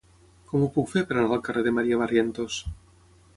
Com ho puc fer per anar al carrer de Maria Barrientos?